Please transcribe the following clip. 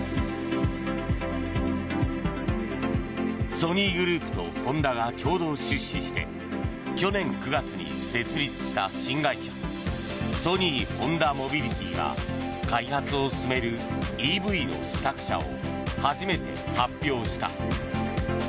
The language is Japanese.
ソニーグループとホンダが共同出資して去年９月に設立した新会社ソニー・ホンダモビリティが開発を進めるＥＶの試作車を初めて発表した。